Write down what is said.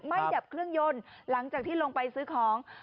ดับเครื่องยนต์หลังจากที่ลงไปซื้อของ